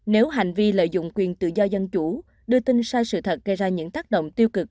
nếu hành vi lợi dụng quyền tự do dân chủ đưa tin sai sự thật gây ra những tác động tiêu cực